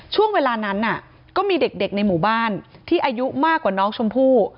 ช่วงเวลานั้นก็มีเด็กในหมู่บ้านที่อายุมากกว่าน้องชมพู่